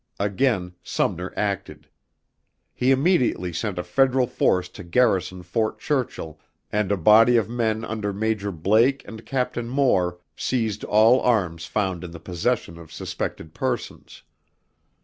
Again Sumner acted. He immediately sent a Federal force to garrison Fort Churchill, and a body of men under Major Blake and Captain Moore seized all arms found in the possession of suspected persons.